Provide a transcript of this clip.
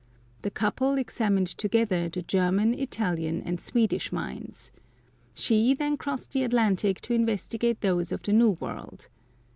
The couple examined together the German, Italian, and Swedish mines. She then crossed the Atlantic to investigate those of the New World.